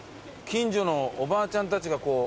近所のおばあちゃんたちがこう。